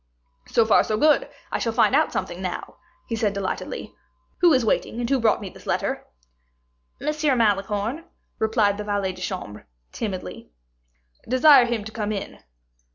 "So far so good; I shall find out something now," he said delightedly. "Who is waiting, and who brought me this letter?" "M. Malicorne," replied the valet de chambre, timidly. "Desire him to come in."